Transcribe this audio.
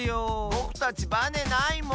ぼくたちバネないもん！